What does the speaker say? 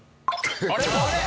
あれ？